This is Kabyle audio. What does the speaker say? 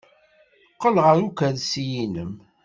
Qqel ɣer ukersi-nnem.